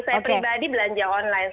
saya pribadi belanja online